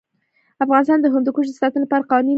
افغانستان د هندوکش د ساتنې لپاره قوانین لري.